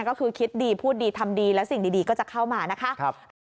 ก็คือคิดดีพูดดีทำดีแล้วสิ่งดีก็จะเข้ามานะคะ